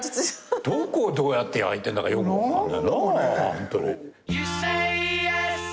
どこをどうやって焼いてんだかよく分かんないよな。